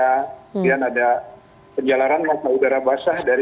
kemudian ada penjalaran mata udara basah dari samudera